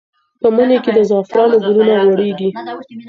په مني کې د زعفرانو ګلونه غوړېږي.